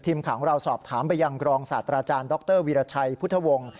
ทีมข่าวของเราสอบถามไปยังกรองศาสตราจารย์ดรวีรชัยพุทธวงศ์